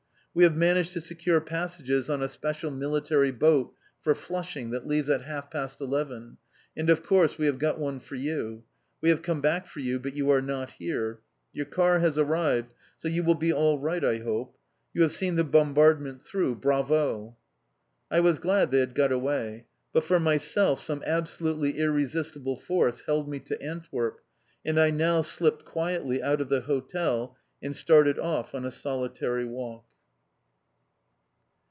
"We have managed to secure passages on a special military boat for Flushing that leaves at half past eleven and of course we have got one for you. We have come back for you, but you are not here. Your car has arrived, so you will be all right, I hope. You have seen the bombardment through, bravo!" I was glad they had got away. But for myself some absolutely irresistible force held me to Antwerp, and I now slipped quietly out of the hotel and started off on a solitary walk.